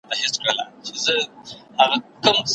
نعمتونه وه پرېمانه هر څه ښه وه